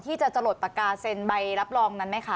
ที่จะหลดปากกาเซ็นใบรับรองนั้นไหมคะ